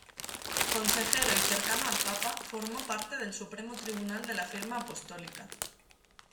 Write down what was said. Consejero y cercano al Papa, formó parte del Supremo Tribunal de la Firma Apostólica.